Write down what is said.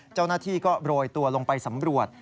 เจ้าหน้าที่ก็โรยตัวลงไปสำรวจ